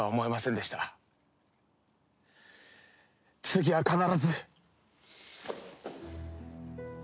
次は必ず。